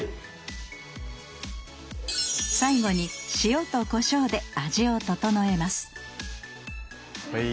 最後に塩とこしょうで味をととのえますはい。